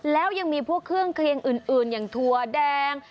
แล้วยังมีพวกเครื่องเคลียงอื่นอย่างถั่วแดง